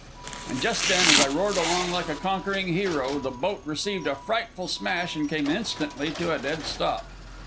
And just then, as I roared along like a conquering hero, the boat received a frightful smash and came instantly to a dead stop.